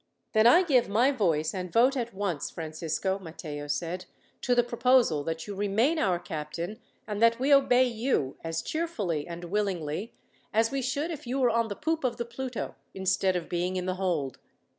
"Then I give my voice and vote at once, Francisco," Matteo said, "to the proposal that you remain our captain, and that we obey you, as cheerfully and willingly as we should if you were on the poop of the Pluto, instead of being in the hold.